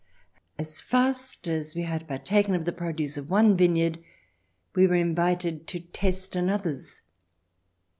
As fast as we had partaken of the produce of one vineyard we were invited to test another's.